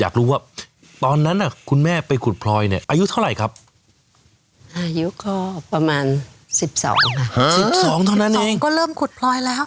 อายุก็ประมาณสิบสองค่ะสิบสองเท่านั้นเองก็เริ่มขุดพลอยแล้ว